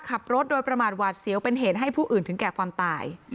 ขับรถโดยประมาทหวาดเสียวเป็นเหตุให้ผู้อื่นถึงแก่ความตาย